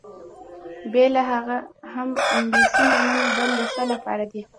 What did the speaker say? بېله هغه هم انګلیسۍ میرمنې بل د څه لپاره دي؟